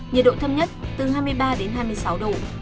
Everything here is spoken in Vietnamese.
nhiệt độ thấp nhất từ hai mươi ba đến hai mươi sáu độ